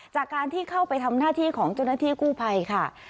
จากการที่เข้าไปทำหน้าที่ของเจ้าหน้าที่กู้ภัยค่ะ